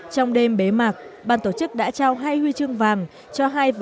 trong đêm bế mạc ban tổ chức đã trao hai huy chương vàng cho hai vở